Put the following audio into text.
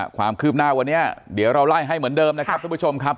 ความคืบหน้าวันนี้เดี๋ยวเราไล่ให้เหมือนเดิมนะครับทุกผู้ชมครับ